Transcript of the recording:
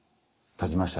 点ちました。